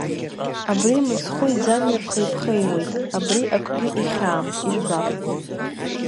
Абри мыцхәы иӡамҩа ԥхеиԥхеиуеит, абри акгьы ихьаам, ижәбап…